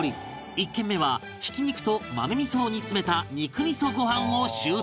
１軒目は挽き肉と豆味噌を煮詰めた肉味噌ご飯を習得